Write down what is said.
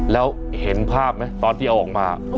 แล้วเห็นภาพไหมตอนที่เอาออกมา